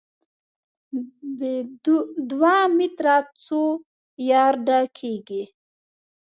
ب: دوه متره څو یارډه کېږي؟